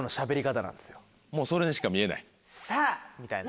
もうそれにしか見えない？みたいな。